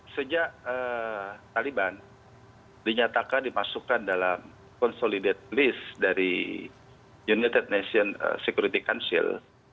sejak taliban dinyatakan dimasukkan dalam consolidated list dari united nation security council